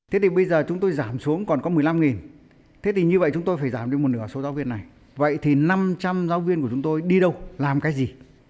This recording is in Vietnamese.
thế thì bây giờ chúng tôi giảm xuống còn có một mươi năm thế thì như vậy chúng tôi phải giảm đi một nửa số giáo viên này vậy thì năm trăm linh giáo viên của chúng tôi đi đâu làm cái gì